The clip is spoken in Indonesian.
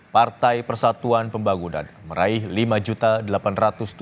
partai persatuan pembangunan meraih lima jutaan